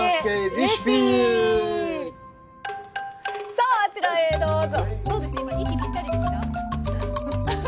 さああちらへどうぞ。